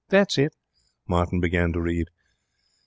'That's it.' Martin began to read.